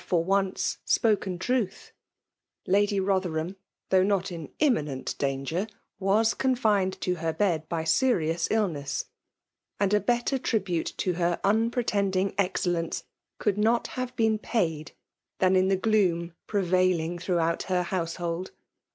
lor once spckeaa truth* Lady Rotherham, though not in immmefU danger, was confin«i2 to her bed by serioaa illness ; and a better tribute to hst anfffetoading excellence could not have been paid than in the ^oom prevail ing throughout hex household.